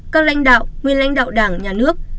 các lãnh đạo nguyên lãnh đạo đảng nhà nước